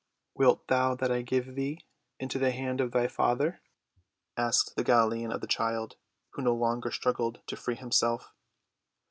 "Wilt thou that I give thee into the hand of thy father?" asked the Galilean of the child, who no longer struggled to free himself.